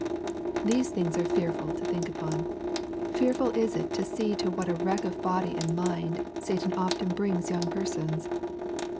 These things are fearful to think upon. Fearful is it to see to what a wreck of body and mind Satan often brings young persons